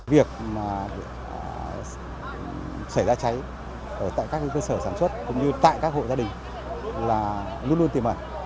việc mà xảy ra cháy ở tại các cơ sở sản xuất cũng như tại các hội gia đình là luôn luôn tìm mặt